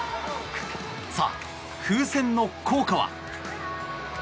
さあ、風船の効果は。